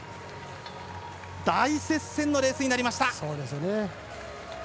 大接戦のレースになりました。